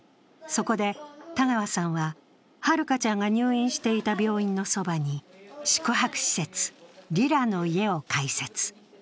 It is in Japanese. そこで田川さんは、はるかちゃんが入院していた病院のそばに宿泊施設、リラのいえを開設。